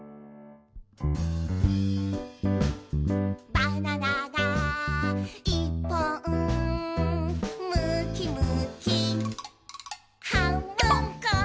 「バナナがいっぽん」「むきむきはんぶんこ！」